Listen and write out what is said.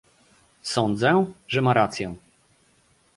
Sądzę, że ma rację